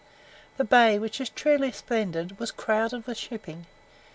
The bay, which is truly splendid, was crowded with shipping.